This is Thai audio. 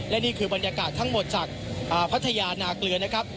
และนี่คือบรรยากาศทั้งหมดจากพัทยานาเกลือนะครับ